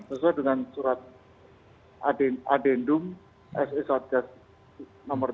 sesuai dengan surat adedum sesojas nomor tiga belas